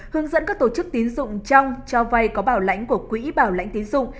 hướng dẫn các tổ chức tiến dụng trong cho vai có bảo lãnh của quỹ bảo lãnh tiến dụng